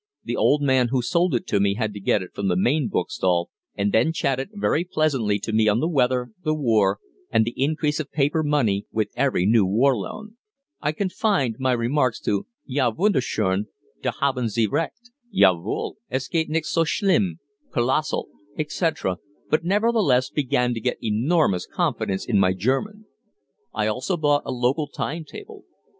The old man who sold it to me had to get it from the main bookstall, and then chatted very pleasantly to me on the weather, the war, and the increase of paper money with every new war loan. I confined my remarks to "Ja wünderschön," "Da haben Sie recht," "Ja wohl, es geht nicht so schlimm," "Kolossal," etc., but nevertheless began to get enormous confidence in my German. I also bought a local time table.